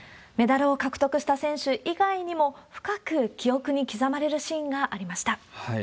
メダルを獲得した選手以外にも、深く記憶に刻まれるシーンがありました。